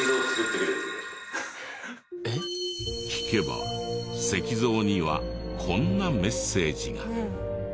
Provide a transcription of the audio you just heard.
聞けば石像にはこんなメッセージが。